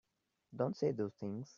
Don't say those things!